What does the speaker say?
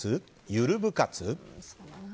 ゆる部活？